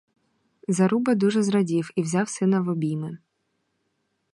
Заруба дуже зрадів і взяв сина в обійми.